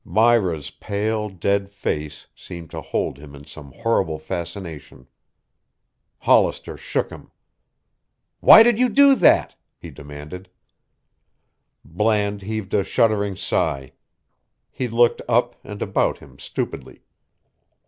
Myra's pale, dead face seemed to hold him in some horrible fascination. Hollister shook him. "Why did you do that?" he demanded. Bland heaved a shuddering sigh. He looked up and about him stupidly.